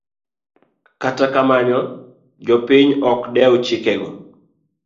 Kata kamano, jopiny mang'eny ok dew chikego.